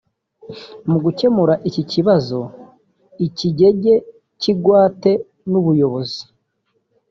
Mu gukemura iki kibazo ikigege cy’igwate n’ubuyobozi